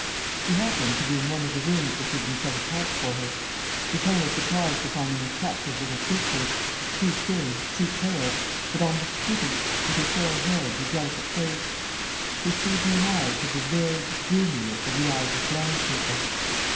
She happened to be in one of the rooms which had been set apart for her. Lupin was surprised to find an attractive little creature, too thin, too pale, but almost pretty, with her fair hair and her delicate face. Her sea green eyes had the vague, dreamy look of the eyes of blind people.